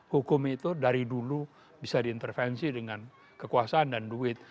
hukum itu dari dulu bisa diintervensi dengan kekuasaan dan duit